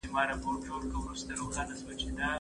دلته بيخي دوړدوړک بادونه دي .